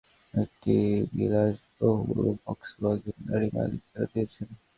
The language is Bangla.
মিথ্যা ঘোষণা দিয়ে আমদানি করা একটি বিলাসবহুল ভক্সওয়াগন গাড়ি মালিক ফেরত দিয়েছেন।